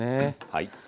はい。